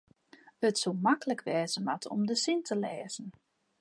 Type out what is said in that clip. it soe maklik wêze moatte om de sin te lêzen